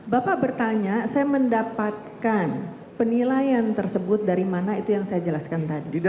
bapak bertanya saya mendapatkan penilaian tersebut dari mana itu yang saya jelaskan tadi